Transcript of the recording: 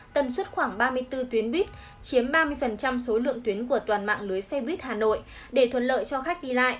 tần suất khoảng ba mươi bốn tuyến buýt chiếm ba mươi số lượng tuyến của toàn mạng lưới xe buýt hà nội để thuận lợi cho khách đi lại